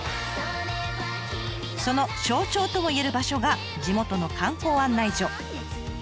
その象徴ともいえる場所が地元の観光案内所。